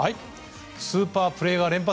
スーパープレーが連発！